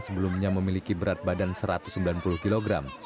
seperti darah jantung